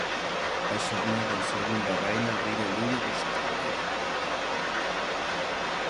A xornada en segunda vaina abrir o Lugo no Sardinero.